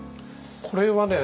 これはね